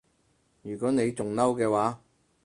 如果你仲嬲嘅話